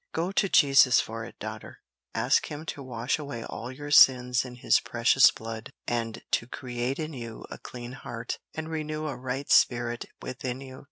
Go to Jesus for it, daughter; ask Him to wash away all your sins in His precious blood and to create in you a clean heart and renew a right spirit within you.